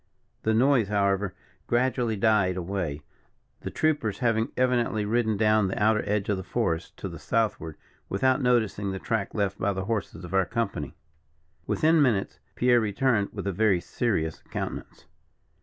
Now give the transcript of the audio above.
The noise, however, gradually died away, the troopers having evidently ridden down the outer edge of the forest to the Southward, without noticing the track left by the horses of our company. Within ten minutes, Pierre returned with a very serious countenance.